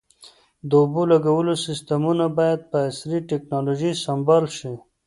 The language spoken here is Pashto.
د اوبو لګولو سیستمونه باید په عصري ټکنالوژۍ سنبال شي.